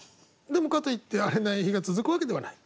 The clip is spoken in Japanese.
でもかといって荒れない日が続くわけではない。